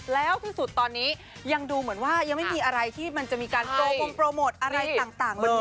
แล้วที่สุดตอนนี้ยังดูเหมือนว่ายังไม่มีอะไรที่มันจะมีการโปรโมทอะไรต่างเลย